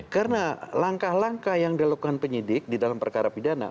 karena langkah langkah yang dilakukan penyidik di dalam perkara pidana